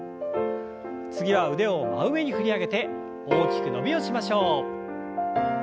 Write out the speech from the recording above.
次は腕を真上に振り上げて大きく伸びをしましょう。